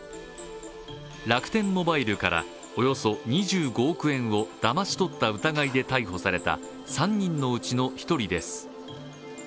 楽天モバイルからおよそ２５億円をだまし取った疑いで逮捕された３人のうちの１人です。